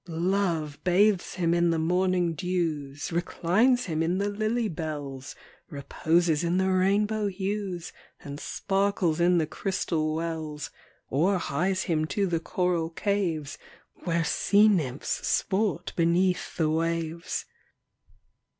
Love bathes him in the morning dews, Reclines him in the lily bells, Reposes in the rainbow hues, And sparkles in the crystal wells, Or hies him to the coral caves, Where sea nymphs sport beneath the waves.